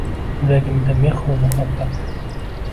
Yuragimda mehru muhabbat